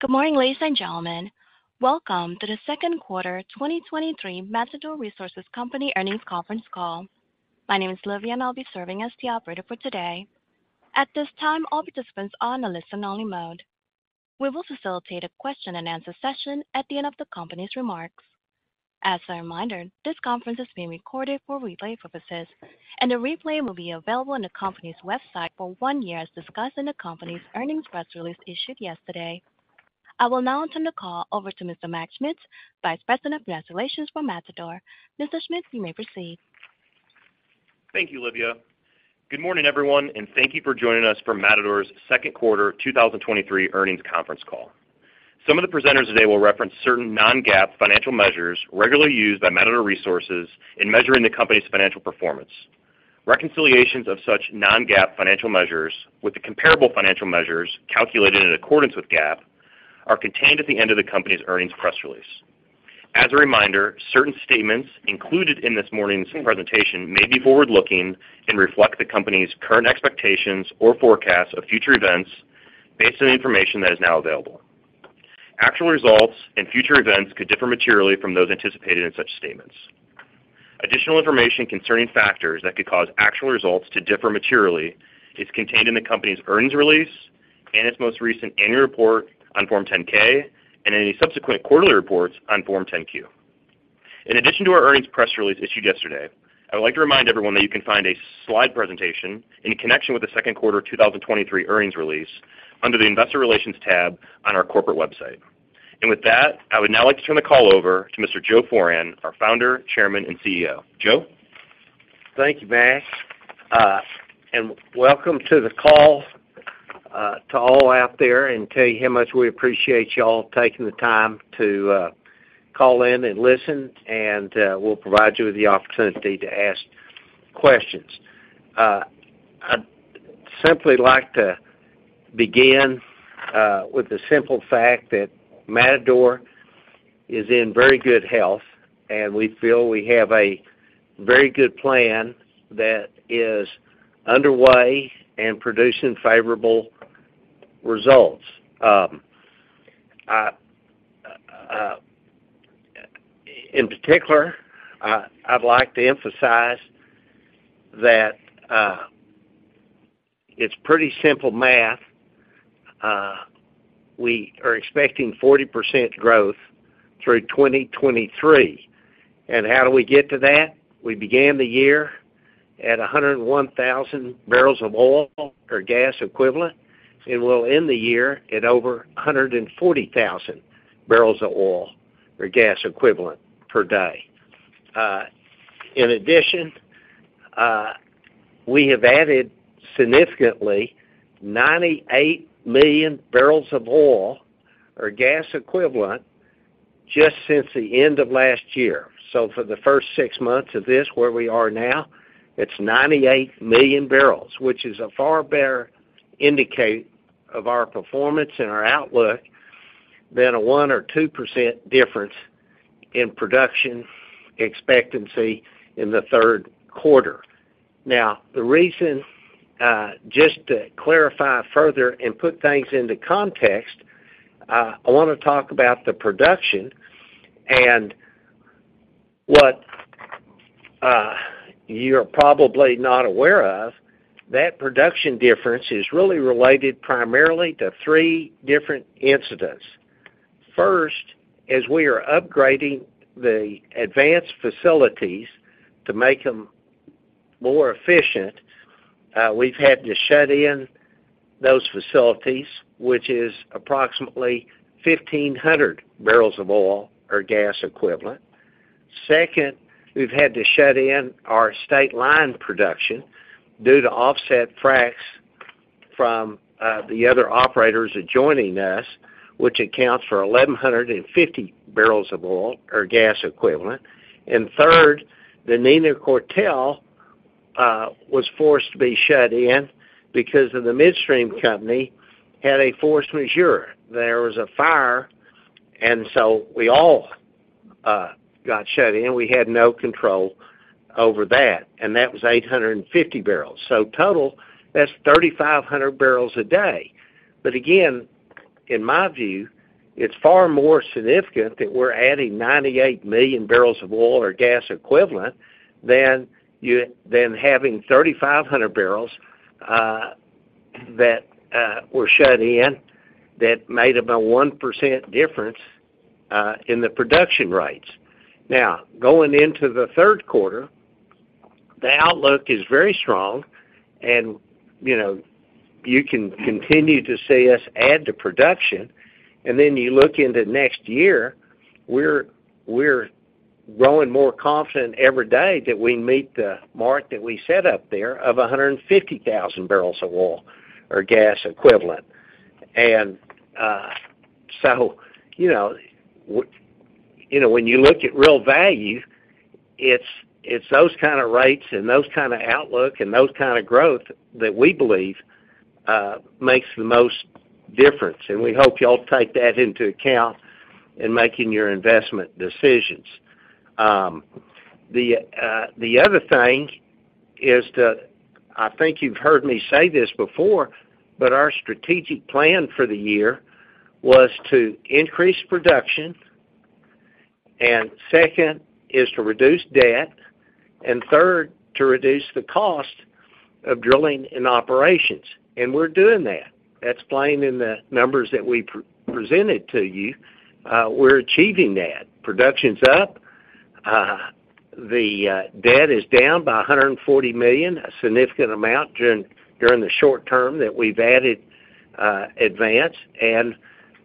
Good morning, ladies and gentlemen. Welcome to the Q2 2023 Matador Resources Company earnings conference call. My name is Livia. I'll be serving as the operator for today. At this time, all participants are on a listen-only mode. We will facilitate a question-and-answer session at the end of the company's remarks. As a reminder, this conference is being recorded for replay purposes. The replay will be available on the company's website for one year, as discussed in the company's earnings press release issued yesterday. I will now turn the call over to Mr. Mac Schmitz, Vice President of Investor Relations for Matador. Mr. Schmitz, you may proceed. Thank you, Livia. Good morning, everyone, and thank you for joining us for Matador's Q2 2023 earnings conference call. Some of the presenters today will reference certain non-GAAP financial measures regularly used by Matador Resources in measuring the company's financial performance. Reconciliations of such non-GAAP financial measures with the comparable financial measures, calculated in accordance with GAAP, are contained at the end of the company's earnings press release. As a reminder, certain statements included in this morning's presentation may be forward-looking and reflect the company's current expectations or forecasts of future events based on the information that is now available. Actual results and future events could differ materially from those anticipated in such statements. Additional information concerning factors that could cause actual results to differ materially is contained in the company's earnings release and its most recent annual report on Form 10-K and any subsequent quarterly reports on Form 10-Q. In addition to our earnings press release issued yesterday, I would like to remind everyone that you can find a slide presentation in connection with the Q2 2023 earnings release under the Investor Relations tab on our corporate website. With that, I would now like to turn the call over to Mr. Joe Foran, our Founder, Chairman, and CEO. Joe? Thank you, Matt. Welcome to the call to all out there and tell you how much we appreciate you all taking the time to call in and listen, and we'll provide you with the opportunity to ask questions. I'd simply like to begin with the simple fact that Matador is in very good health, and we feel we have a very good plan that is underway and producing favorable results. In particular, I'd like to emphasize that it's pretty simple math. We are expecting 40% growth through 2023. How do we get to that? We began the year at 101,000 barrels of oil or gas equivalent, and we'll end the year at over 140,000 barrels of oil or gas equivalent per day. In addition, we have added significantly 98 million barrels of oil or gas equivalent just since the end of last year. For the first six months of this, where we are now, it's 98 million barrels, which is a far better indicator of our performance and our outlook than a 1% or 2% difference in production expectancy in the Q3. The reason, just to clarify further and put things into context, I want to talk about the production and what, you're probably not aware of, that production difference is really related primarily to three different incidents. First, as we are upgrading the Advance facilities to make them more efficient, we've had to shut in those facilities, which is approximately 1,500 barrels of oil or gas equivalent. Second, we've had to shut in our state line production due to offset fracs from the other operators adjoining us, which accounts for 1,150 barrels of oil or gas equivalent. Third, the Nina Cortell was forced to be shut in because of the midstream company had a force majeure. There was a fire, and so we all got shut in. We had no control over that, and that was 850 barrels. Total, that's 3,500 barrels a day. Again, in my view, it's far more significant that we're adding 98 million barrels of oil or gas equivalent than having 3,500 barrels that were shut in, that made about 1% difference in the production rates. Going into the Q3, the outlook is very strong and, you know, you can continue to see us add to production. You look into next year, we're growing more confident every day that we meet the mark that we set up there of 150,000 barrels of oil or gas equivalent. You know, when you look at real value, it's those kind of rates and those kind of outlook and those kind of growth that we believe makes the most difference, and we hope you all take that into account in making your investment decisions. The other thing. is to, I think you've heard me say this before, but our strategic plan for the year was to increase production, and second is to reduce debt, and third, to reduce the cost of drilling and operations. We're doing that. That's plain in the numbers that we pre-presented to you, we're achieving that. Production's up, the debt is down by $140 million, a significant amount during the short term that we've added Advance.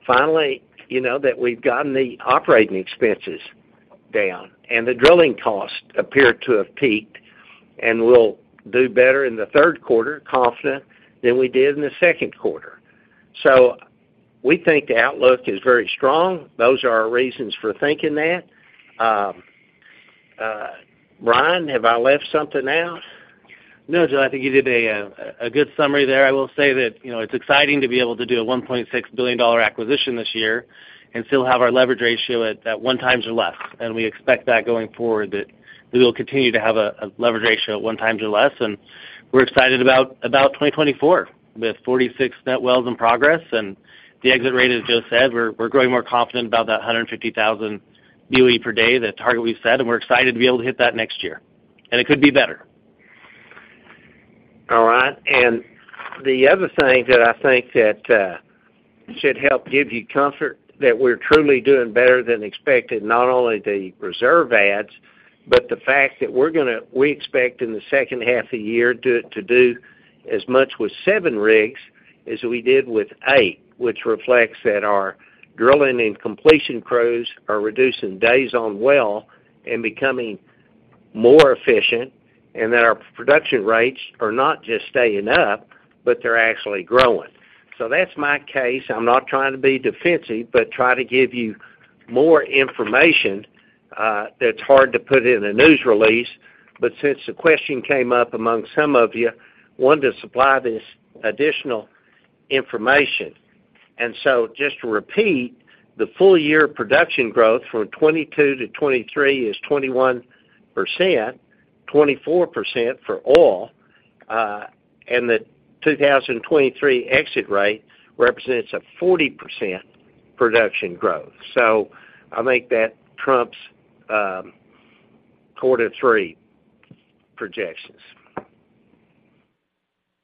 Finally, you know, that we've gotten the operating expenses down, and the drilling costs appear to have peaked and will do better in the Q3, confident, than we did in the Q2. We think the outlook is very strong. Those are our reasons for thinking that. Brian, have I left something out? Joe, I think you did a good summary there. I will say that, you know, it's exciting to be able to do a $1.6 billion acquisition this year and still have our leverage ratio at one times or less. We expect that going forward, that we will continue to have a leverage ratio at one times or less. We're excited about 2024, with 46 net wells in progress and the exit rate, as Joe said, we're growing more confident about that 150,000 BOE per day, the target we've set, and we're excited to be able to hit that next year. It could be better. All right. The other thing that I think that should help give you comfort that we're truly doing better than expected, not only the reserve adds, but the fact that we expect in the second half of the year, to do as much with seven rigs as we did with eight, which reflects that our drilling and completion crews are reducing days on well and becoming more efficient, and that our production rates are not just staying up, but they're actually growing. That's my case. I'm not trying to be defensive, but try to give you more information that's hard to put in a news release. Since the question came up among some of you, wanted to supply this additional information. Just to repeat, the full year production growth from 2022 to 2023 is 21%, 24% for oil, and the 2023 exit rate represents a 40% production growth. I think that trumps quarter three projections.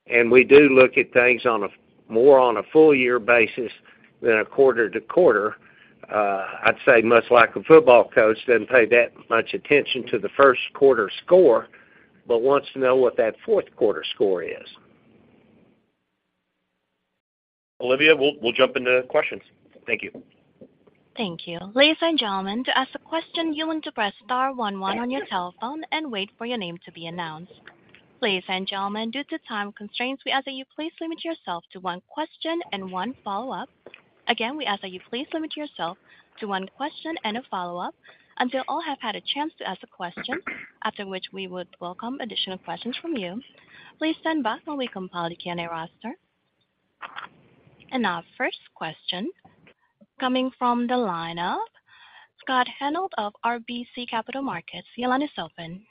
We do look at things more on a full year basis than a quarter-to-quarter, I'd say much like a football coach doesn't pay that much attention to the Q1 score, but wants to know what that Q4 score is. Olivia, we'll jump into questions. Thank you. Thank you. Ladies and gentlemen, to ask a question, you want to press star one one on your telephone and wait for your name to be announced. Ladies and gentlemen, due to time constraints, we ask that you please limit yourself to one question and one follow-up. Again, we ask that you please limit yourself to one question and a follow-up until all have had a chance to ask a question, after which we would welcome additional questions from you. Please stand by while we compile the Q&A roster. Our first question coming from the line of Scott Hanold of RBC Capital Markets. Your line is open.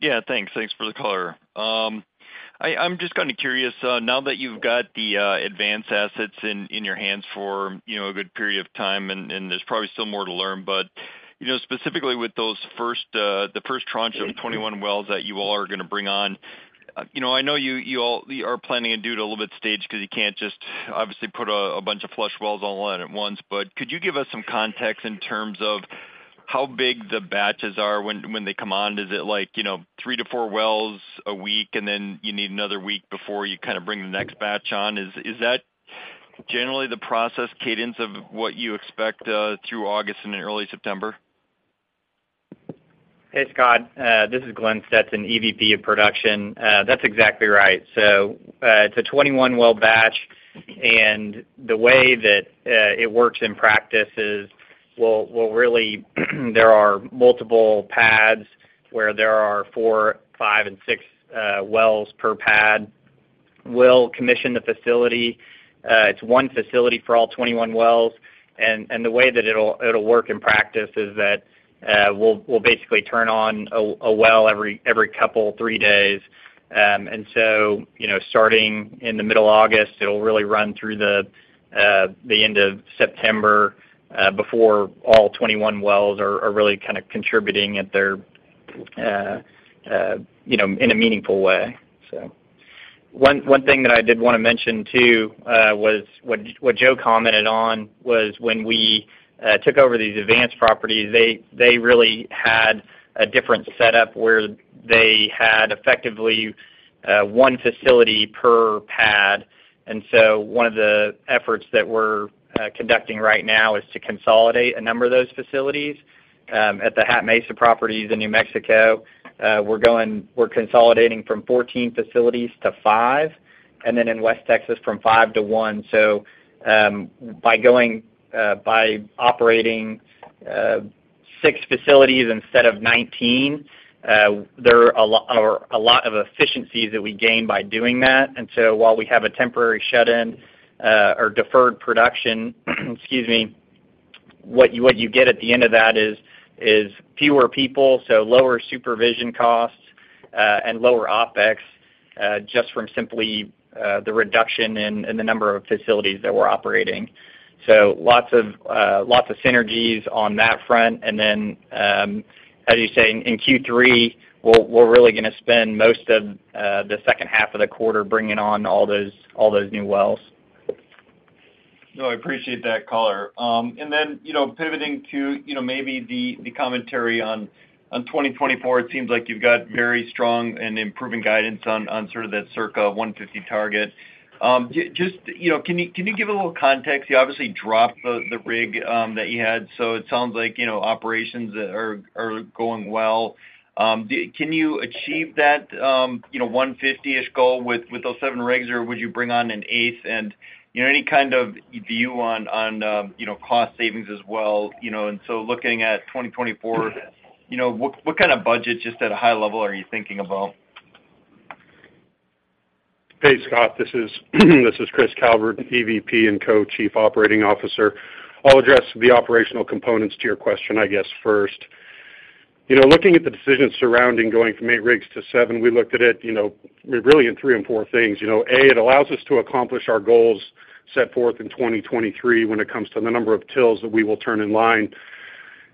Yeah, thanks. Thanks for the color. I'm just kind of curious, now that you've got the Advance assets in your hands for, you know, a good period of time, and there's probably still more to learn, but, you know, specifically with those first, the first tranche of 21 wells that you all are going to bring on, you know, I know you all are planning to do it a little bit staged because you can't just obviously put a bunch of flush wells online at once. Could you give us some context in terms of how big the batches are when they come on? Is it like, you know, three to four wells a week, and then you need another week before you kind of bring the next batch on? Is that generally the process cadence of what you expect through August and in early September? Hey, Scott, this is Glenn Stetson, EVP of Production. That's exactly right. It's a 21 well batch, and the way that it works in practice is, we'll really, there are multiple pads where there are four, five, and six wells per pad. We'll commission the facility. It's one facility for all 21 wells. The way that it'll work in practice is that, we'll basically turn on a well every couple, three days. You know, starting in the middle of August, it'll really run through the end of September, before all 21 wells are really kind of contributing at their, you know, in a meaningful way. One thing that I did want to mention, too, was what Joe commented on, was when we took over these Advance properties, they really had a different setup, where they had effectively one facility per pad. One of the efforts that we're conducting right now is to consolidate a number of those facilities. At the Hat Mesa properties in New Mexico, we're consolidating from 14 facilities to five, and then in West Texas, from five to one. By going, by operating six facilities instead of 19, there are a lot of efficiencies that we gain by doing that. While we have a temporary shut-in, or deferred production, excuse me. What you get at the end of that is fewer people, so lower supervision costs, and lower OPEX, just from simply, the reduction in the number of facilities that we're operating. Lots of synergies on that front. As you say, in Q3, we're really going to spend most of the second half of the quarter bringing on all those new wells. No, I appreciate that color. You know, pivoting to, you know, maybe the commentary on 2024, it seems like you've got very strong and improving guidance on sort of that circa 150 target. Just, you know, can you, can you give a little context? You obviously dropped the rig that you had, so it sounds like, you know, operations are going well. Can you achieve that, you know, 150-ish goal with those seven rigs, or would you bring on an eighth? You know, any kind of view on, you know, cost savings as well, you know, looking at 2024, you know, what kind of budget, just at a high level, are you thinking about? Hey, Scott, this is Chris Calvert, EVP and Co-Chief Operating Officer. I'll address the operational components to your question, I guess, first. You know, looking at the decision surrounding going from eight rigs to seven, we looked at it, you know, really in three and four things. You know, A, it allows us to accomplish our goals set forth in 2023 when it comes to the number of tills that we will turn in line.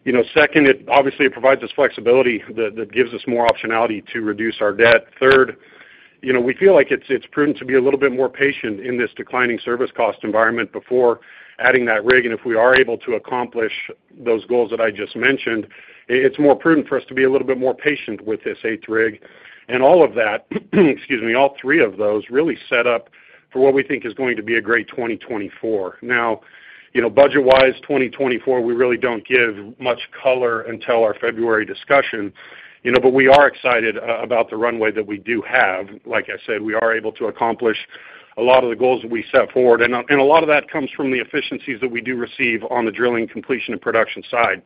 You know, second, it obviously provides us flexibility that gives us more optionality to reduce our debt. Third, you know, we feel like it's prudent to be a little bit more patient in this declining service cost environment before adding that rig. If we are able to accomplish those goals that I just mentioned, it's more prudent for us to be a little bit more patient with this eighth rig. All of that, excuse me, all three of those really set up for what we think is going to be a great 2024. You know, budget-wise, 2024, we really don't give much color until our February discussion, you know, but we are excited about the runway that we do have. Like I said, we are able to accomplish a lot of the goals that we set forward, and a lot of that comes from the efficiencies that we do receive on the drilling, completion, and production side.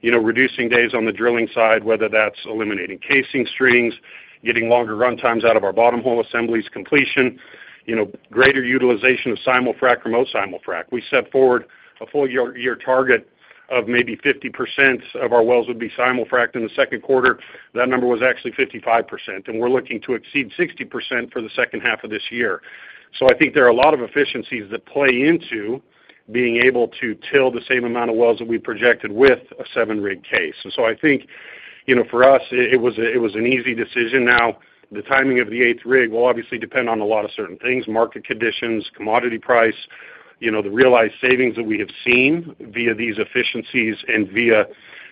You know, reducing days on the drilling side, whether that's eliminating casing strings, getting longer runtimes out of our bottomhole assemblies completion, you know, greater utilization of simul-frac or most simul-frac. We set forward a full year target of maybe 50% of our wells would be simul-fraced in the Q2. That number was actually 55%, and we're looking to exceed 60% for the H2 of this year. I think there are a lot of efficiencies that play into being able to till the same amount of wells that we projected with a seven-rig case. I think, you know, for us, it was an easy decision. Now, the timing of the eighth rig will obviously depend on a lot of certain things, market conditions, commodity price, you know, the realized savings that we have seen via these efficiencies and via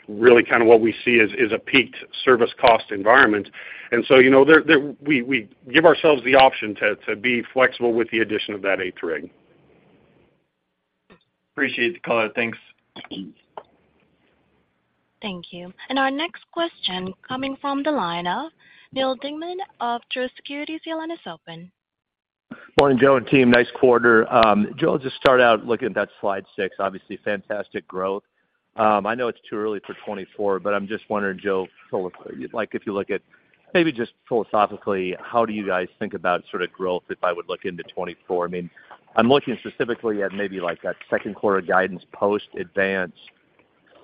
really kind of what we see as a peaked service cost environment. you know, we give ourselves the option to be flexible with the addition of that eighth rig. Appreciate the color. Thanks. Thank you. Our next question coming from the line of Neal Dingman of Truist Securities. Your line is open. Morning, Joe and team, nice quarter. Joe, I'll just start out looking at that slide 6. Obviously, fantastic growth. I know it's too early for 2024, I'm just wondering, Joe, so, like, if you look at maybe just philosophically, how do you guys think about sort of growth if I would look into 2024? I mean, I'm looking specifically at maybe, like, that Q2 guidance, post Advance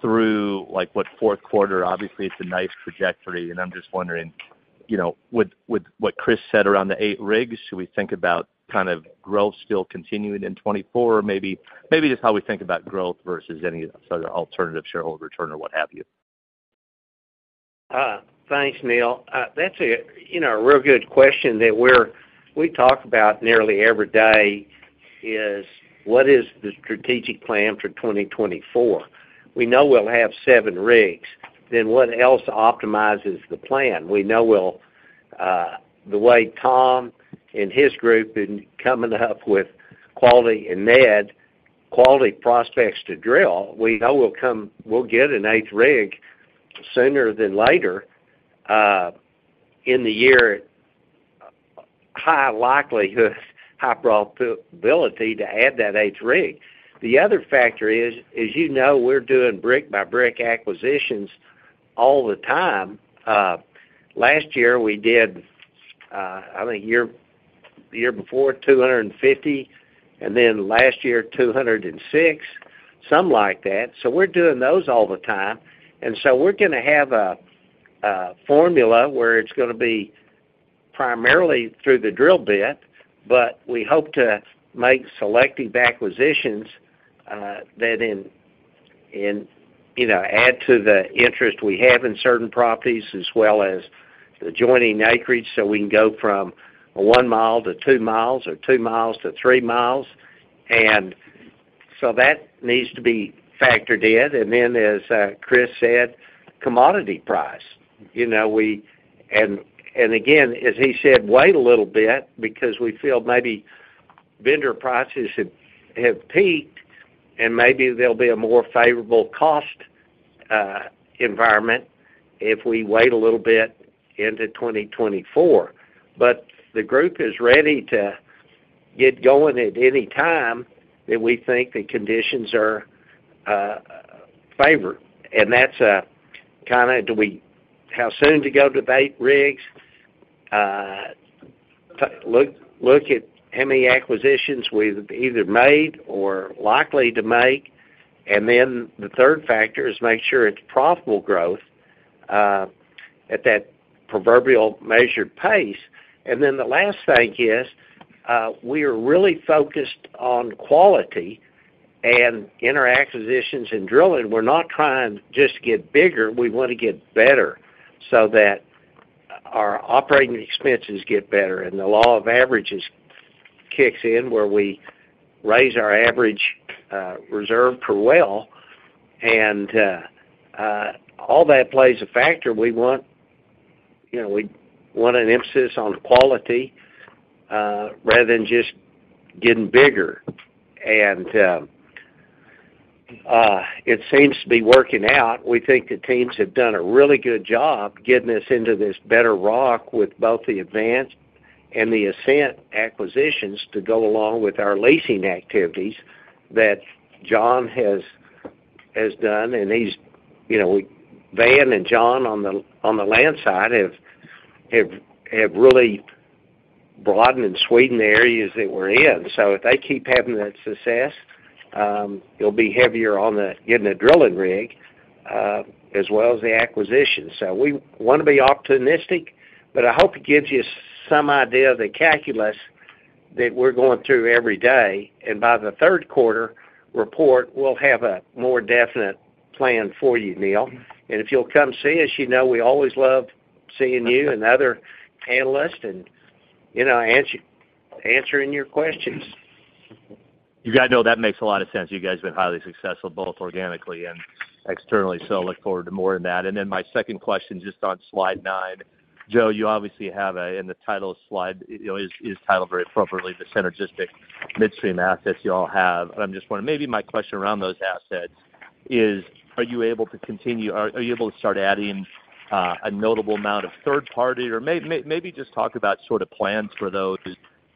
through, like, what, Q4. Obviously, it's a nice trajectory, I'm just wondering, you know, with what Chris said around the 8 rigs, should we think about kind of growth still continuing in 2024? Or maybe just how we think about growth versus any sort of alternative shareholder return or what have you. Thanks, Neal. That's a, you know, a real good question that we talk about nearly every day is, what is the strategic plan for 2024? We know we'll have 7 rigs. What else optimizes the plan? We know we'll, the way Tom and his group in coming up with quality, and Ned, quality prospects to drill, we know we'll get an eighth rig sooner than later in the year. High likelihood, high probability to add that eighth rig. The other factor is, as you know, we're doing brick by brick acquisitions all the time. Last year, we did, I think year, the year before, 250, and then last year, 206, something like that. We're doing those all the time. We're gonna have a formula where it's gonna be primarily through the drill bit, but we hope to make selective acquisitions, that, you know, add to the interest we have in certain properties, as well as the adjoining acreage, so we can go from 1 mile to 2 miles or 2 miles to 3 miles. That needs to be factored in. Then, as Chris said, commodity price. You know, we, and again, as he said, wait a little bit because we feel maybe vendor prices have peaked, and maybe there'll be a more favorable cost environment if we wait a little bit into 2024. The group is ready to get going at any time that we think the conditions are, favor. That's kind of how soon to go to the 8 rigs, look at how many acquisitions we've either made or likely to make. Then the third factor is make sure it's profitable growth at that proverbial measured pace. Then the last thing is, we are really focused on quality and in our acquisitions and drilling, we're not trying just to get bigger, we want to get better, so that our operating expenses get better, and the law of averages kicks in, where we raise our average reserve per well. All that plays a factor. We want, you know, we want an emphasis on quality rather than just getting bigger. It seems to be working out. We think the teams have done a really good job getting us into this better rock with both the Advance and the Ascent acquisitions to go along with our leasing activities that John has done. He's, you know, Van and John, on the land side, have really broadened and sweetened the areas that we're in. If they keep having that success, it'll be heavier on the getting a drilling rig as well as the acquisition. We want to be opportunistic, but I hope it gives you some idea of the calculus that we're going through every day. By the Q3 report, we'll have a more definite plan for you, Neal. If you'll come see us, you know we always love seeing you and other analysts and, you know, answering your questions. You guys know that makes a lot of sense. You guys have been highly successful, both organically and externally, I look forward to more on that. My second question, just on slide 9: Joe Foran, you obviously have a, and the title slide, you know, is titled very appropriately, the Synergistic Midstream Assets you all have. I'm just wondering, maybe my question around those assets is, are you able to start adding a notable amount of third party? Maybe just talk about sort of plans for those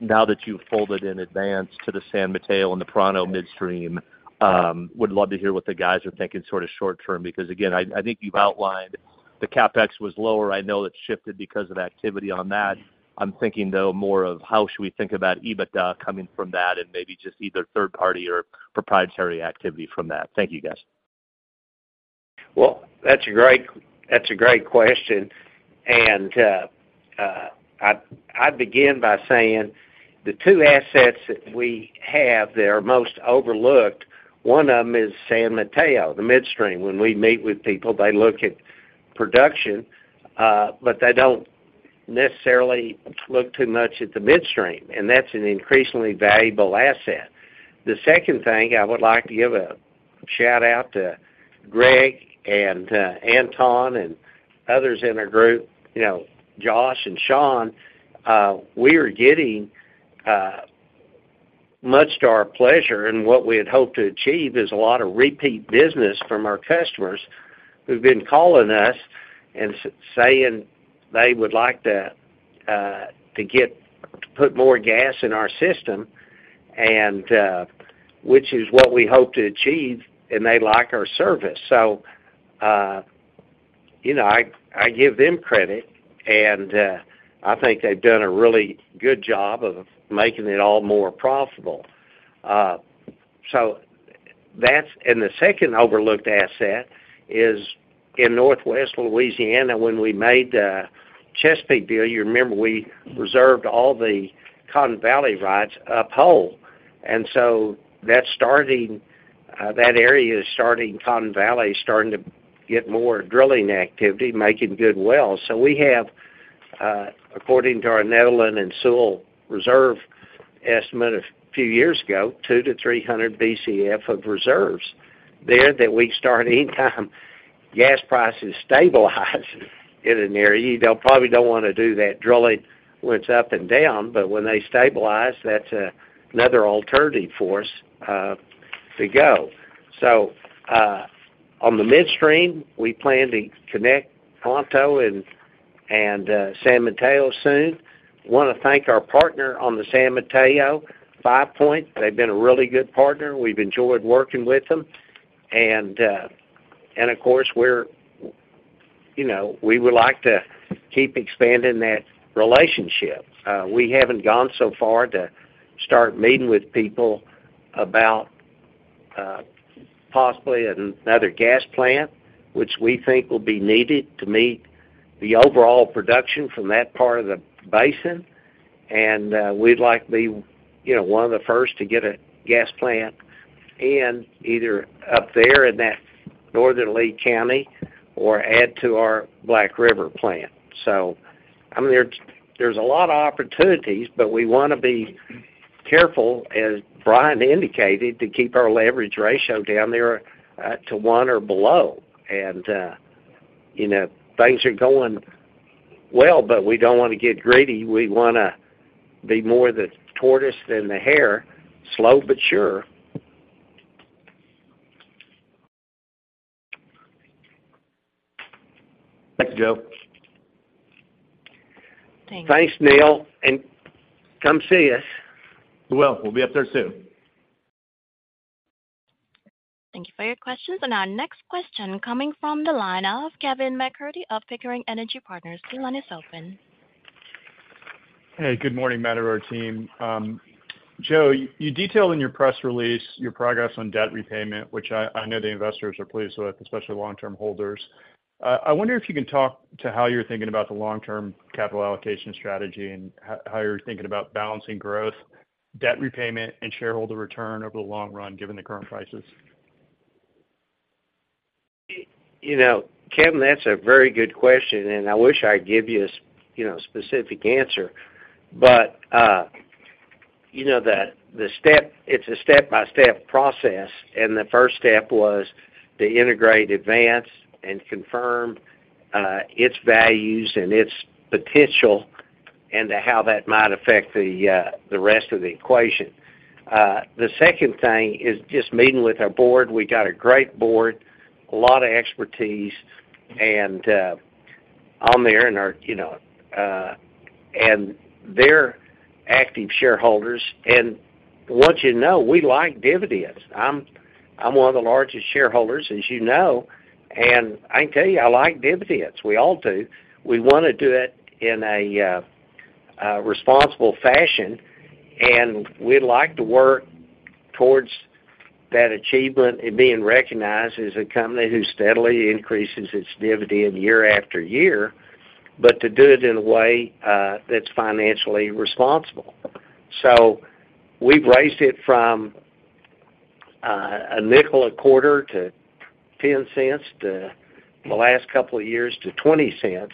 now that you've folded in Advance to the San Mateo and the Pronto Midstream. Would love to hear what the guys are thinking sort of short term, because, again, I think you've outlined the CapEx was lower. I know that shifted because of activity on that. I'm thinking, though, more of how should we think about EBITDA coming from that, and maybe just either third party or proprietary activity from that. Thank you, guys. Well, that's a great question. I'd begin by saying the two assets that we have that are most overlooked, one of them is San Mateo, the midstream. When we meet with people, they look at production, but they don't necessarily look too much at the midstream, and that's an increasingly valuable asset. The second thing, I would like to give a shout-out to Greg and Anton and others in our group, you know, Josh and Sean. We are getting, much to our pleasure, and what we had hoped to achieve, is a lot of repeat business from our customers who've been calling us and saying they would like to put more gas in our system, which is what we hope to achieve, and they like our service. You know, I give them credit, and I think they've done a really good job of making it all more profitable. That's and the second overlooked asset is in Northwest Louisiana. When we made the Chesapeake deal, you remember we reserved all the Cotton Valley rights uphill, and so that's starting, that area is starting, Cotton Valley is starting to get more drilling activity, making good wells. We have, according to our Netherland and Sewell reserve estimate a few years ago, 200-300 BCF of reserves there, that we start anytime gas prices stabilize in an area. You know, probably don't want to do that drilling when it's up and down, but when they stabilize, that's another alternative for us to go. On the midstream, we plan to connect Pronto and San Mateo soon. Want to thank our partner on the San Mateo, Five Point. They've been a really good partner. We've enjoyed working with them. Of course, we're, you know, we would like to keep expanding that relationship. We haven't gone so far to start meeting with people about possibly another gas plant, which we think will be needed to meet the overall production from that part of the basin. We'd like to be, you know, one of the first to get a gas plant in, either up there in that northern Lea County or add to our Black River plant. I mean, there's a lot of opportunities, but we want to be careful, as Brian indicated, to keep our leverage ratio down there to one or below. You know, things are going well, but we don't want to get greedy. We wanna be more the tortoise than the hare. Slow, but sure. Thanks, Joe. Thanks, Neal, and come see us. We will. We'll be up there soon. Thank you for your questions. Our next question coming from the line of Kevin MacCurdy of Pickering Energy Partners. Your line is open. Hey, good morning, Matador team. Joe, you detailed in your press release your progress on debt repayment, which I know the investors are pleased with, especially long-term holders. I wonder if you can talk to how you're thinking about the long-term capital allocation strategy and how you're thinking about balancing growth, debt repayment, and shareholder return over the long run, given the current prices? You know, Kevin, that's a very good question, I wish I'd give you a you know, specific answer. You know, the step-by-step process, the first step was to integrate Advance and confirm its values and its potential, and to how that might affect the rest of the equation. The second thing is just meeting with our board. We got a great board, a lot of expertise on there, you know, and they're active shareholders. I want you to know, we like dividends. I'm one of the largest shareholders, as you know, and I can tell you, I like dividends. We all do. We want to do it in a responsible fashion. We'd like to work towards that achievement and being recognized as a company who steadily increases its dividend year after year, to do it in a way that's financially responsible. We've raised it from a nickel, a quarter, to $0.10, to the last couple of years, to $0.20.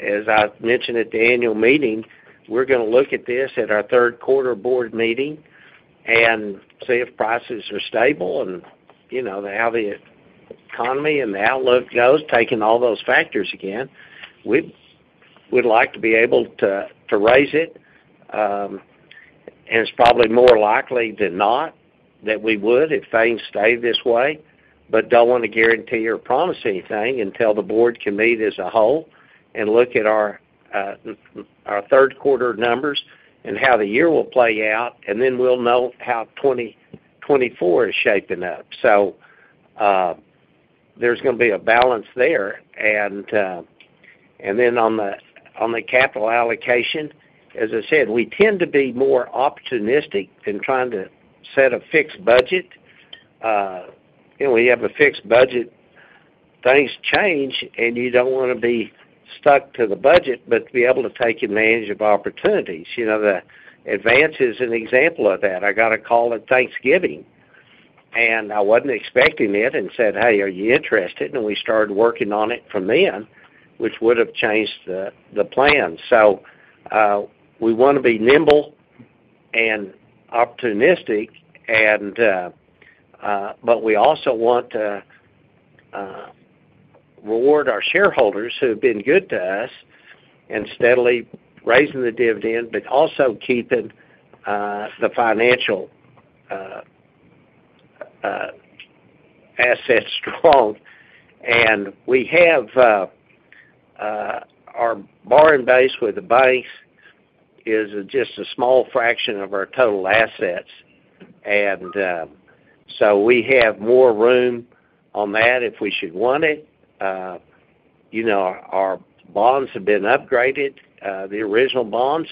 As I mentioned at the annual meeting, we're gonna look at this at our Q3 board meeting and see if prices are stable and, you know, how the economy and the outlook goes, taking all those factors again. We'd like to be able to raise it. It's probably more likely than not that we would, if things stay this way, but don't want to guarantee or promise anything until the board can meet as a whole and look at our Q3 numbers and how the year will play out, and then we'll know how 2024 is shaping up. There's gonna be a balance there. Then on the capital allocation, as I said, we tend to be more opportunistic than trying to set a fixed budget. When you have a fixed budget, things change, and you don't want to be stuck to the budget, but to be able to take advantage of opportunities. You know, the Advance is an example of that. I got a call on Thanksgiving, and I wasn't expecting it and said, "Hey, are you interested?" We started working on it from then, which would have changed the plan. We want to be nimble and opportunistic, and but we also want to reward our shareholders who have been good to us in steadily raising the dividend, but also keeping the financial assets strong. We have our borrowing base with the bank is just a small fraction of our total assets. We have more room on that if we should want it. You know, our bonds have been upgraded, the original bonds,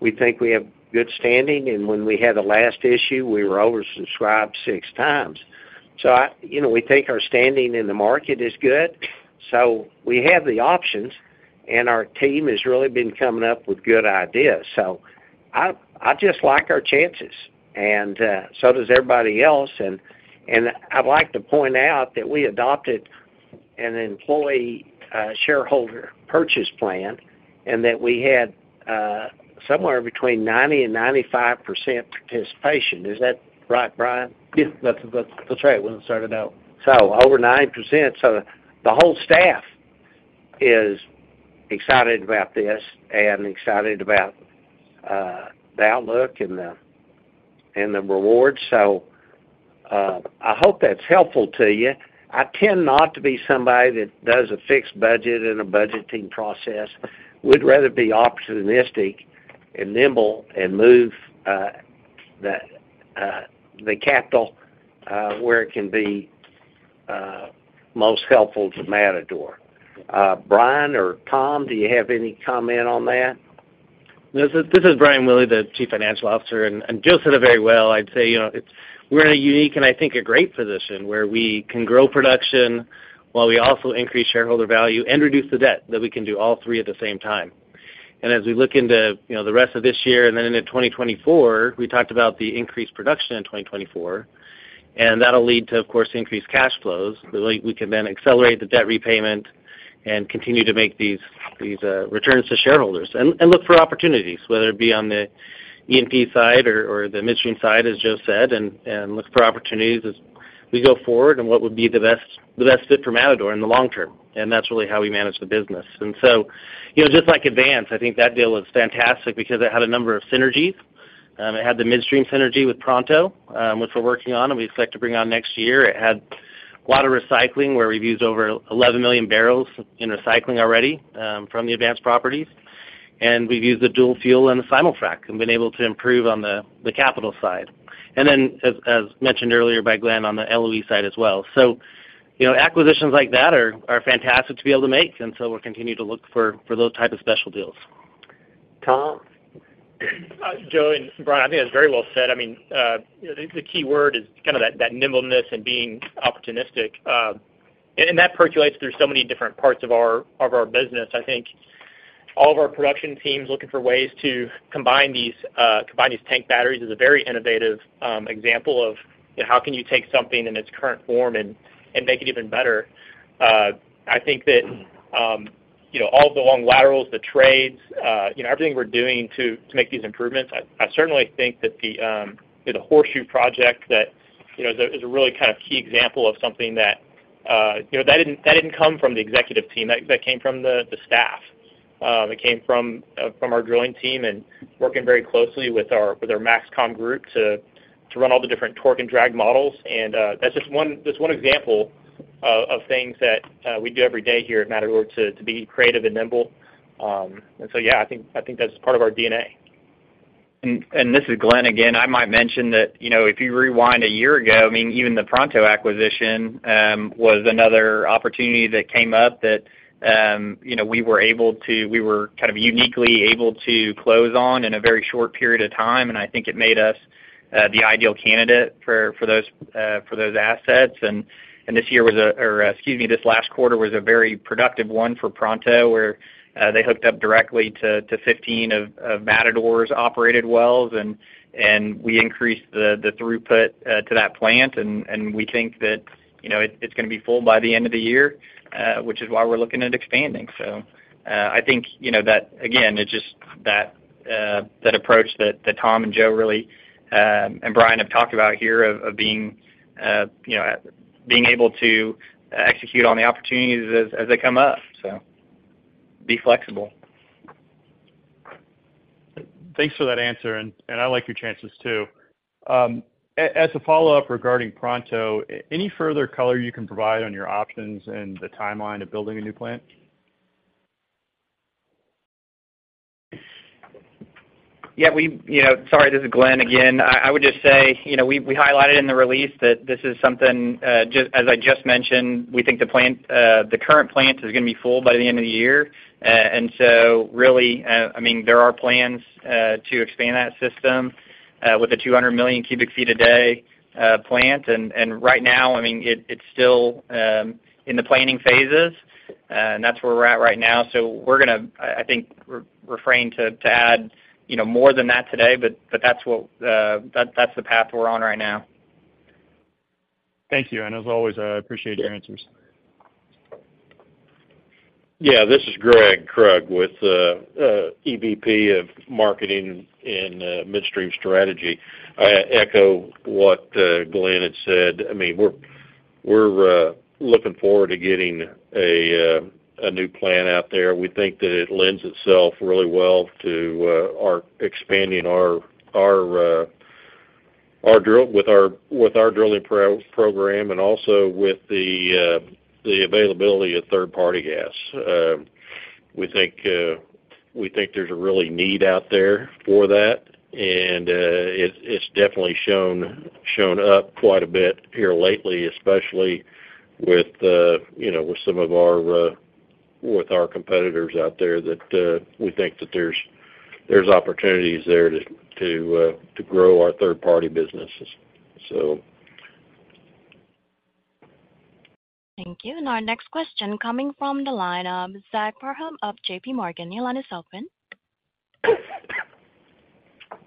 we think we have good standing. When we had the last issue, we were oversubscribed six times. You know, we think our standing in the market is good. We have the options, and our team has really been coming up with good ideas. I just like our chances, and so does everybody else. I'd like to point out that we adopted an employee shareholder purchase plan, and that we had somewhere between 90% and 95% participation. Is that right, Brian? Yes, that's right. When it started out. Over 90%. The whole staff is excited about this and excited about the outlook and the rewards. I hope that's helpful to you. I tend not to be somebody that does a fixed budget and a budgeting process. We'd rather be opportunistic and nimble and move the capital where it can be most helpful to Matador. Brian or Tom, do you have any comment on that? This is Brian Willey, the Chief Financial Officer, and Joe said it very well. I'd say, you know, we're in a unique, and I think, a great position, where we can grow production while we also increase shareholder value and reduce the debt, that we can do all three at the same time. As we look into, you know, the rest of this year and then into 2024, we talked about the increased production in 2024, that'll lead to, of course, increased cash flows. We can then accelerate the debt repayment and continue to make these returns to shareholders and look for opportunities, whether it be on the E&P side or the midstream side, as Joe said, and look for opportunities as we go forward and what would be the best fit for Matador in the long term. That's really how we manage the business. You know, just like Advance, I think that deal was fantastic because it had a number of synergies. It had the midstream synergy with Pronto, which we're working on and we expect to bring on next year. It had water recycling, where we've used over 11 million barrels in recycling already, from the Advance properties, and we've used the dual fuel and the simul-Frac and been able to improve on the capital side. As mentioned earlier by Glenn, on the LOE side as well. You know, acquisitions like that are fantastic to be able to make, We'll continue to look for those type of special deals. Tom? Joe and Brian, I think that's very well said. I mean, you know, the key word is kind of that nimbleness and being opportunistic. That percolates through so many different parts of our business. I think all of our production teams looking for ways to combine these, combine these tank batteries is a very innovative example of, how can you take something in its current form and make it even better? I think that, you know, all the long laterals, the trades, you know, everything we're doing to make these improvements, I certainly think that the, you know, the Horseshoe project that, you know, is a really kind of key example of something that didn't come from the executive team, that came from the staff. It came from our drilling team and working very closely with our MAXCOM group to run all the different torque and drag models. That's just one example of things that we do every day here at Matador to be creative and nimble. So, yeah, I think that's part of our DNA. This is Glenn again. I might mention that, you know, if you rewind a year ago, I mean, even the Pronto acquisition was another opportunity that came up that, you know, we were kind of uniquely able to close on in a very short period of time, and I think it made us the ideal candidate for those for those assets. This year was a, or excuse me, this last quarter was a very productive one for Pronto, where they hooked up directly to 15 of Matador's operated wells, and we increased the throughput to that plant, and we think that, you know, it's gonna be full by the end of the year, which is why we're looking at expanding. I think, you know, that, again, it's just that approach that Tom and Joe really, and Brian have talked about here of being, you know, being able to execute on the opportunities as they come up. Be flexible. Thanks for that answer, and I like your chances too. As a follow-up regarding Pronto, any further color you can provide on your options and the timeline of building a new plant? Yeah, you know, sorry, this is Glenn again. I would just say, you know, we highlighted in the release that this is something as I just mentioned, we think the plant, the current plant is gonna be full by the end of the year. Really, I mean, there are plans to expand that system with a 200 million cubic feet a day plant. Right now, I mean, it's still in the planning phases, and that's where we're at right now. We're gonna, I think, refrain to add, you know, more than that today, but that's what that's the path we're on right now. Thank you, and as always, I appreciate your answers. Yeah, this is Gregg Krug with EVP of Marketing and Midstream Strategy. I echo what Glenn had said. I mean, we're looking forward to getting a new plant out there. We think that it lends itself really well to our expanding our drilling program and also with the availability of third-party gas. We think there's a really need out there for that, and it's definitely shown up quite a bit here lately, especially with, you know, with some of our, with our competitors out there, that we think that there's opportunities there to grow our third-party businesses. Thank you. Our next question coming from the line of Zach Parham of JPMorgan. Your line is open.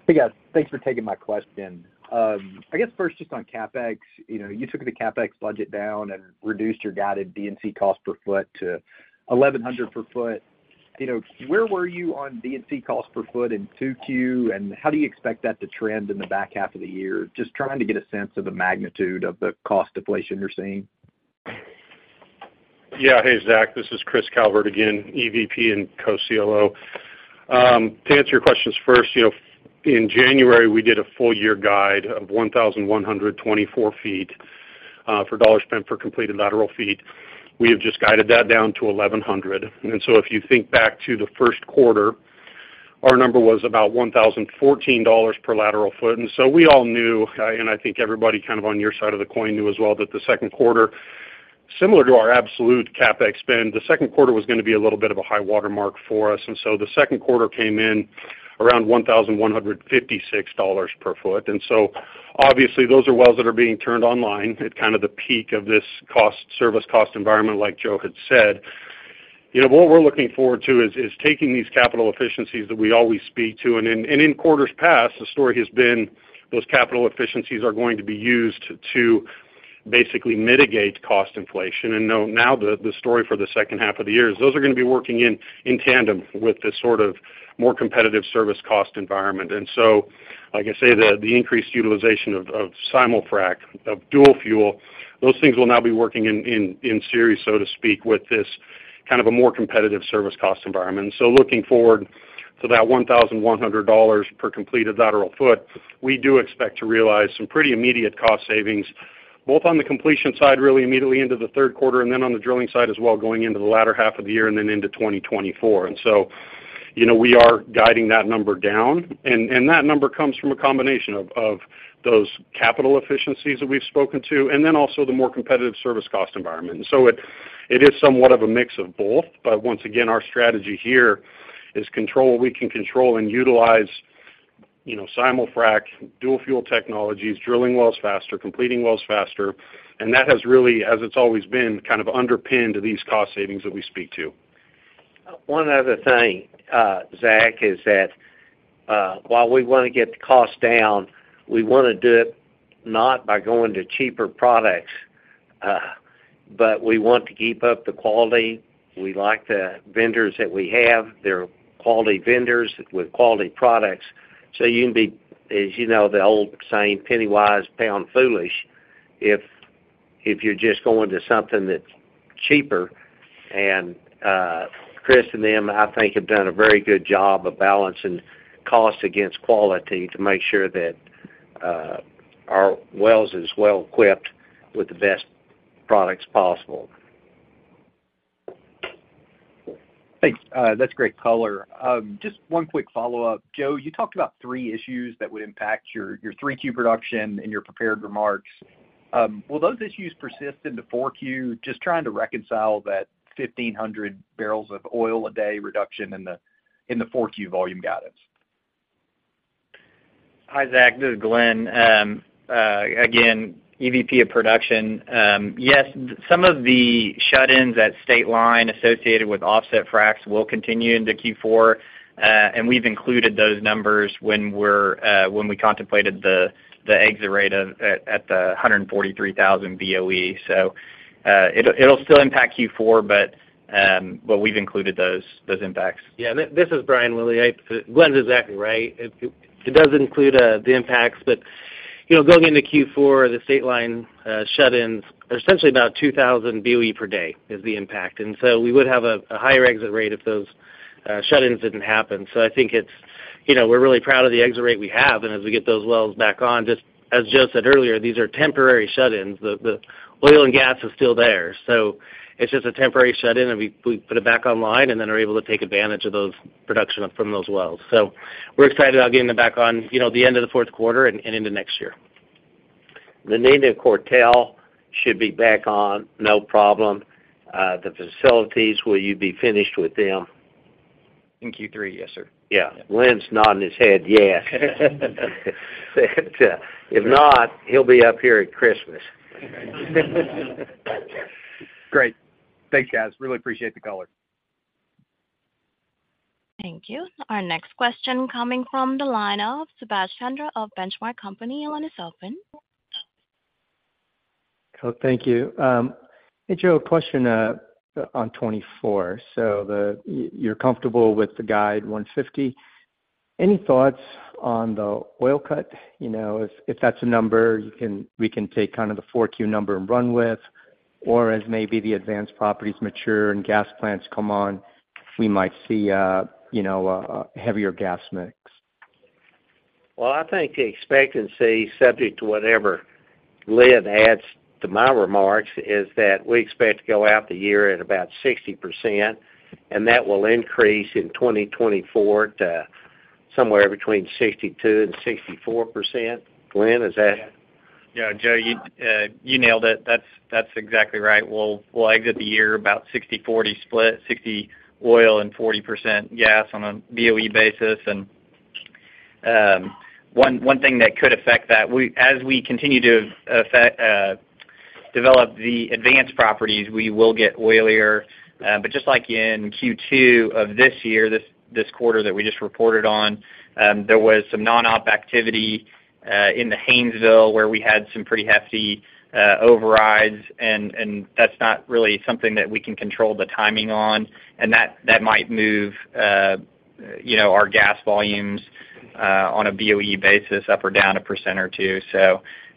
Hey, guys. Thanks for taking my question. I guess first, just on CapEx, you know, you took the CapEx budget down and reduced your guided D&C cost per foot to $1,100 per foot. You know, where were you on D&C cost per foot in Q2, and how do you expect that to trend in the back half of the year? Just trying to get a sense of the magnitude of the cost deflation you're seeing. Yeah. Hey, Zach, this is Chris Calvert again, EVP and Co-COO. To answer your questions first, you know, in January, we did a full year guide of 1,124 feet for dollars spent for completed lateral feet. We have just guided that down to 1,100. If you think back to the Q1, our number was about $1,014 per lateral foot. We all knew, and I think everybody kind of on your side of the coin knew as well, that the Q2, similar to our absolute CapEx spend, the Q2 was gonna be a little bit of a high-water mark for us. The Q2 came in around $1,156 per foot. Obviously, those are wells that are being turned online at kind of the peak of this cost, service cost environment, like Joe had said. You know, what we're looking forward to is taking these capital efficiencies that we always speak to, and in quarters past, the story has been those capital efficiencies are gonna be used to basically mitigate cost inflation. Now, the story for the second half of the year is those are gonna be working in tandem with the sort of more competitive service cost environment. Like I say, the increased utilization of simul-frac, of dual fuel, those things will now be working in series, so to speak, with this kind of a more competitive service cost environment. Looking forward to that $1,100 per completed lateral foot, we do expect to realize some pretty immediate cost savings, both on the completion side, really immediately into the Q3, and then on the drilling side as well, going into the latter half of the year and then into 2024. You know, we are guiding that number down, and that number comes from a combination of those capital efficiencies that we've spoken to, and then also the more competitive service cost environment. It, it is somewhat of a mix of both, but once again, our strategy here is control what we can control and utilize, you know, simul-frac, dual fuel technologies, drilling wells faster, completing wells faster. That has really, as it's always been, kind of underpinned these cost savings that we speak to. One other thing, Zach, is that, while we want to get the cost down, we want to do it not by going to cheaper products, but we want to keep up the quality. We like the vendors that we have. They're quality vendors with quality products. You can be, as you know, the old saying, penny-wise, pound foolish, if you're just going to something that's cheaper. Chris and them, I think, have done a very good job of balancing cost against quality to make sure that our wells is well equipped with the best products possible. Thanks. That's great color. Just one quick follow-up. Joe, you talked about three issues that would impact your Q3 production in your prepared remarks. Will those issues persist into Q4? Just trying to reconcile that 1,500 barrels of oil a day reduction in the, in the Q4 volume guidance. Hi, Zach, this is Glenn, again, EVP of Production. Yes, some of the shut-ins at State Line associated with offset fracs will continue into Q4, and we've included those numbers when we contemplated the exit rate at 143,000 BOE. It'll still impact Q4, but we've included those impacts. Yeah, this is Brian Willey. Glenn's exactly right. It does include the impacts, but, you know, going into Q4, the state line shut-ins are essentially about 2,000 BOE per day is the impact. We would have a higher exit rate if those shut-ins didn't happen. I think it's, you know, we're really proud of the exit rate we have, and as we get those wells back on, just as Joe said earlier, these are temporary shut-ins. The oil and gas is still there, so it's just a temporary shut-in, and we put it back online and then are able to take advantage of those production from those wells. We're excited about getting them back on, you know, the end of the Q4 and into next year. The Nina Cortell should be back on, no problem. The facilities, will you be finished with them? In Q3, yes, sir. Yeah. Glenn's nodding his head, yes. If not, he'll be up here at Christmas. Great. Thanks, guys. Really appreciate the color. Thank you. Our next question coming from the line of Subash Chandra of Benchmark Company, your line is open. Thank you. Hey, Joe, a question on 24. You're comfortable with the guide 150. Any thoughts on the oil cut? You know, if that's a number, we can take kind of the Q4 number and run with, or as maybe the advanced properties mature and gas plants come on, we might see a, you know, a heavier gas mix. Well, I think the expectancy, subject to whatever Glenn adds to my remarks, is that we expect to go out the year at about 60%. That will increase in 2024 to somewhere between 62% and 64%. Glenn, is that? Yeah, Joe, you nailed it. That's exactly right. We'll exit the year about 60/40 split, 60% oil and 40% gas on a BOE basis. One thing that could affect that, as we continue to effect develop the Advance properties, we will get oilier. Just like in Q2 of this year, this quarter that we just reported on, there was some non-op activity in the Haynesville, where we had some pretty hefty overrides, and that's not really something that we can control the timing on, and that might move, you know, our gas volumes on a BOE basis, up or down a percent or two.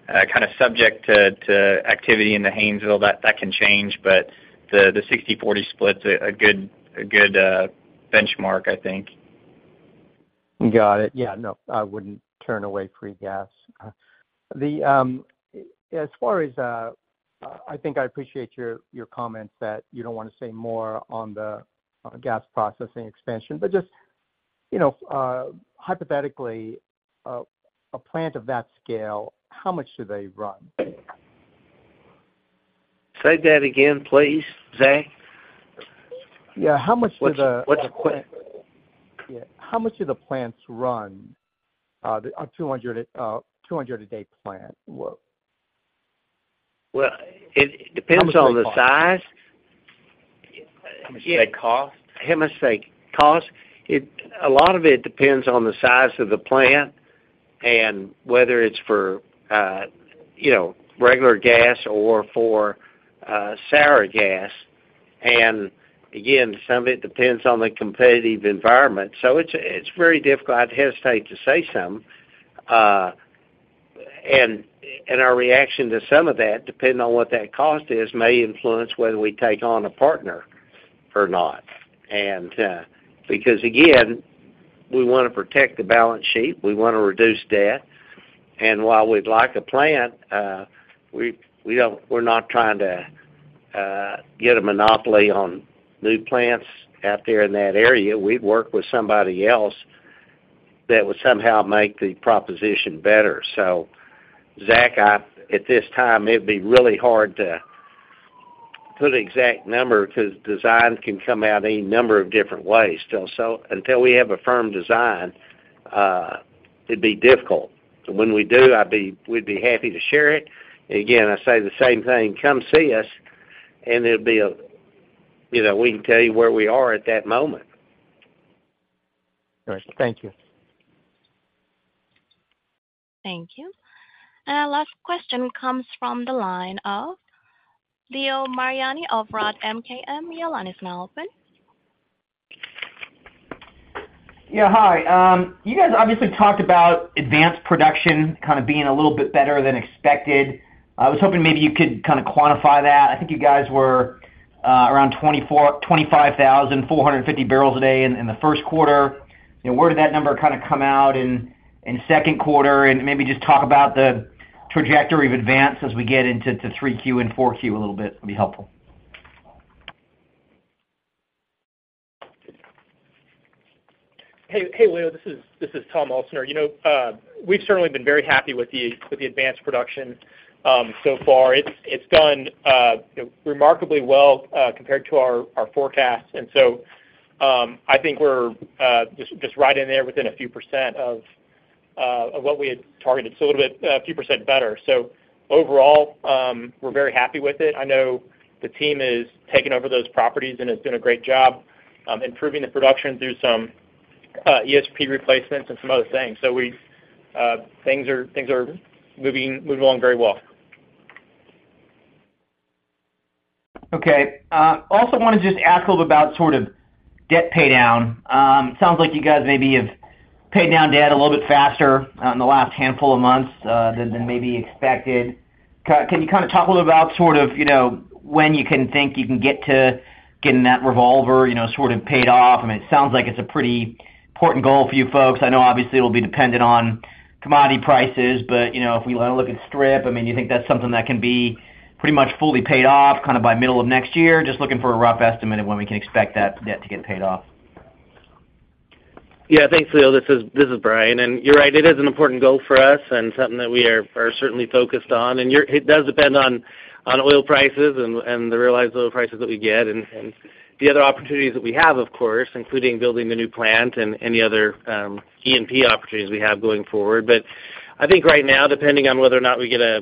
Kind of subject to activity in the Haynesville, that can change, but the 60/40 split's a good benchmark, I think. Got it. Yeah, no, I wouldn't turn away free gas. The, as far as, I think I appreciate your comments that you don't want to say more on the gas processing expansion, but just, you know, hypothetically, a plant of that scale, how much do they run? Say that again, please, Zach? Yeah, how much do the- What's the? Yeah, how much do the plants run, a 200 a day plant? Well, it depends on the size. How much did they cost? How much they cost? A lot of it depends on the size of the plant and whether it's for, you know, regular gas or for sour gas. Again, some of it depends on the competitive environment. It's, it's very difficult. I'd hesitate to say something. Our reaction to some of that, depending on what that cost is, may influence whether we take on a partner or not. Because, again, we want to protect the balance sheet, we want to reduce debt, and while we'd like a plant, we're not trying to get a monopoly on new plants out there in that area. We'd work with somebody else that would somehow make the proposition better. Zach, at this time, it'd be really hard to put an exact number, because design can come out any number of different ways still. Until we have a firm design, it'd be difficult. When we do, we'd be happy to share it. Again, I say the same thing, come see us, and it'll be a, you know, we can tell you where we are at that moment. All right. Thank you. Thank you. Our last question comes from the line of Leo Mariani of Roth MKM. Your line is now open. Yeah, hi. You guys obviously talked about Advance production kind of being a little bit better than expected. I was hoping maybe you could kind of quantify that. I think you guys were around 25,450 barrels a day in the Q1. Where did that number kind of come out in Q2? Maybe just talk about the trajectory of Advance as we get into Q3 and Q4 a little bit, would be helpful. Hey, hey, Leo, this is Tom Elsener. You know, we've certainly been very happy with the advanced production so far. It's done remarkably well compared to our forecast. I think we're just right in there within a few percent of what we had targeted. A little bit, a few percent better. Overall, we're very happy with it. I know the team has taken over those properties and has done a great job improving the production through some ESP replacements and some other things. Things are moving along very well. Okay. Also want to just ask a little about sort of debt paydown. Sounds like you guys maybe have paid down debt a little bit faster in the last handful of months than maybe expected. Can you kind of talk a little about sort of, you know, when you can think you can get to getting that revolver, you know, sort of paid off? I mean, it sounds like it's a pretty important goal for you folks. I know obviously it'll be dependent on commodity prices, but, you know, if we want to look at strip, I mean, you think that's something that can be pretty much fully paid off kind of by middle of next year? Just looking for a rough estimate of when we can expect that debt to get paid off. Yeah. Thanks, Leo. This is Brian. You're right, it is an important goal for us and something that we are certainly focused on. You're right, it does depend on oil prices and the realized oil prices that we get and the other opportunities that we have, of course, including building the new plant and any other E&P opportunities we have going forward. I think right now, depending on whether or not we get a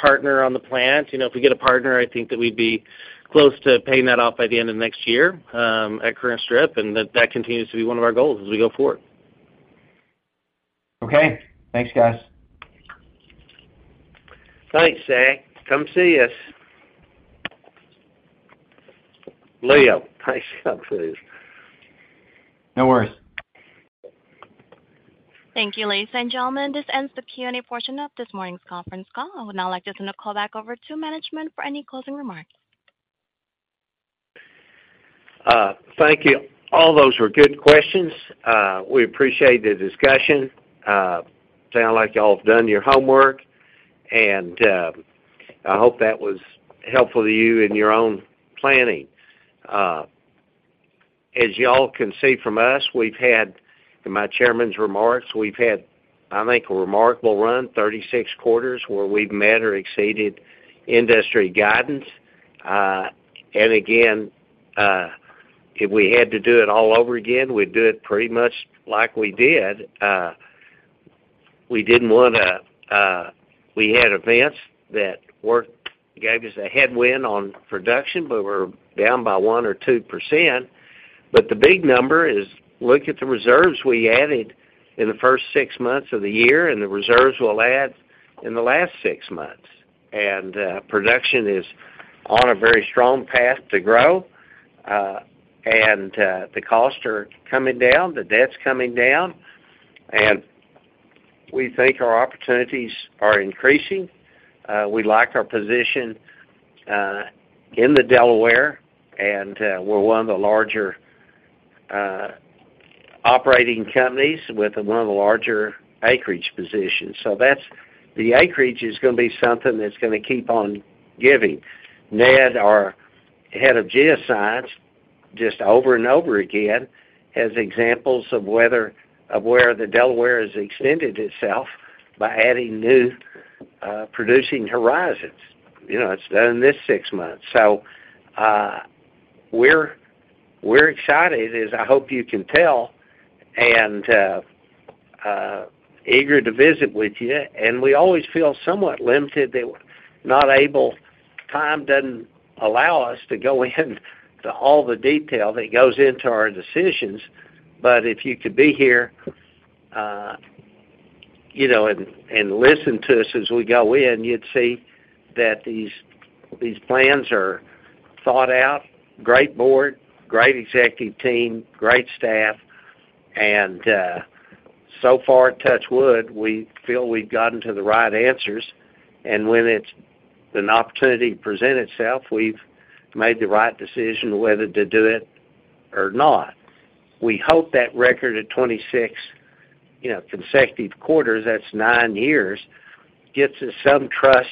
partner on the plant, you know, if we get a partner, I think that we'd be close to paying that off by the end of next year at current strip, and that continues to be one of our goals as we go forward. Okay, thanks, guys. Thanks, Zach. Come see us. Leo. Thanks. Come see us. No worries. Thank you, ladies and gentlemen. This ends the Q&A portion of this morning's conference call. I would now like to turn the call back over to management for any closing remarks. Thank you. All those were good questions. We appreciate the discussion. Sound like y'all have done your homework, I hope that was helpful to you in your own planning. As y'all can see from us, we've had, in my chairman's remarks, I think, a remarkable run, 36 quarters, where we've met or exceeded industry guidance. Again, if we had to do it all over again, we'd do it pretty much like we did. We didn't want to, we had events that gave us a headwind on production, but we're down by 1% or 2%. The big number is look at the reserves we added in the first 6 months of the year and the reserves we'll add in the last 6 months. Production is on a very strong path to grow, the costs are coming down, the debt's coming down, and we think our opportunities are increasing. We like our position in the Delaware, and we're one of the larger operating companies with one of the larger acreage positions. The acreage is going to be something that's going to keep on giving. Ned, our head of geoscience, just over and over again, has examples of where the Delaware has extended itself by adding new producing horizons. You know, it's done in this six months. We're excited, as I hope you can tell, and eager to visit with you. We always feel somewhat limited that we're not able, time doesn't allow us to go into all the detail that goes into our decisions. If you could be here, you know, and listen to us as we go in, you'd see that these plans are thought out. Great board, great executive team, great staff. So far, touch wood, we feel we've gotten to the right answers, and when an opportunity to present itself, we've made the right decision whether to do it or not. We hope that record of 26, you know, consecutive quarters, that's 9 years, gets us some trust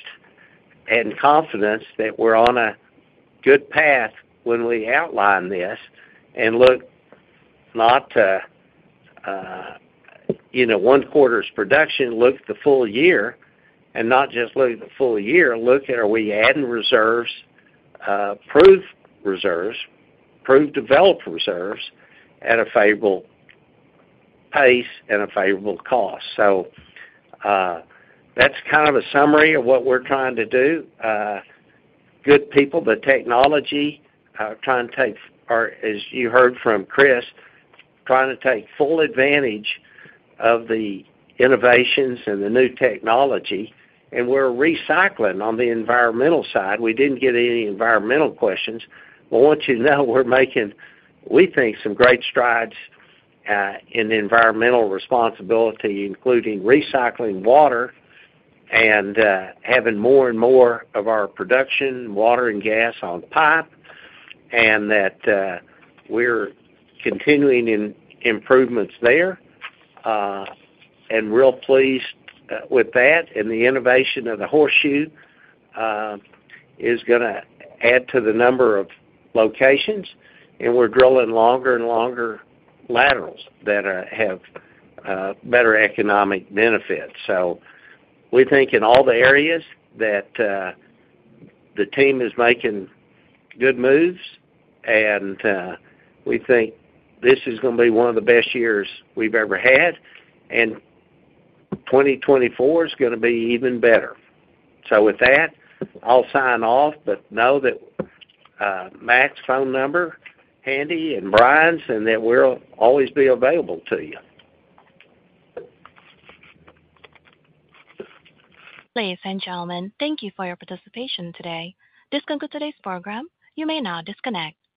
and confidence that we're on a good path when we outline this and look not to, you know, one quarter's production, look the full year, and not just look the full year, look at are we adding reserves, proved reserves, proved developed reserves at a favorable pace and a favorable cost. That's kind of a summary of what we're trying to do. Good people, but technology, as you heard from Chris, trying to take full advantage of the innovations and the new technology, and we're recycling on the environmental side. We didn't get any environmental questions. I want you to know we're making, we think, some great strides in environmental responsibility, including recycling water and having more and more of our production, water and gas on pipe, and that we're continuing in improvements there, and real pleased with that. The innovation of the Horseshoe is gonna add to the number of locations, and we're drilling longer and longer laterals that have better economic benefits. We think in all the areas that the team is making good moves, and we think this is gonna be one of the best years we've ever had, and 2024 is gonna be even better. With that, I'll sign off, but know that Mac's phone number handy and Brian's, and that we'll always be available to you. Ladies and gentlemen, thank you for your participation today. This concludes today's program. You may now disconnect.